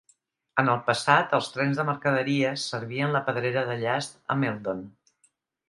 En el passat, els trens de mercaderies servien la pedrera de llast a Meldon.